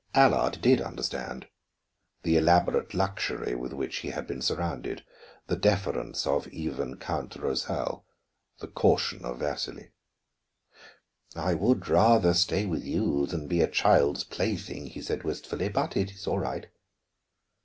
Allard did understand, the elaborate luxury with which he had been surrounded, the deference of even Count Rosal, the caution of Vasili. "I would rather stay with you than be a child's plaything," he said wistfully. "But it is all right."